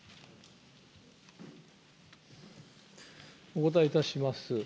お答えいたします。